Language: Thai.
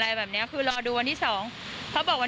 ตัวแทนเองก็รู้สึกผิดว่า